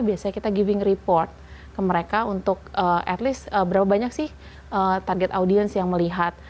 biasanya kita giving report ke mereka untuk at least berapa banyak sih target audiens yang melihat